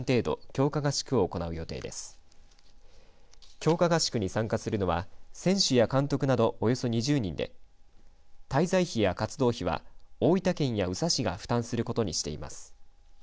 強化合宿に参加するのは選手や監督など、およそ２０人で滞在費や活動費は大分県や宇佐市が負担することにしています。